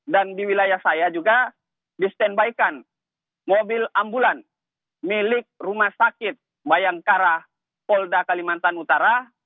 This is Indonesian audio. dan di wilayah saya juga disetembaikan mobil ambulan milik rumah sakit bayangkara polda kalimantan utara